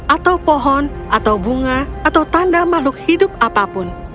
atau pohon atau bunga atau tanda makhluk hidup apapun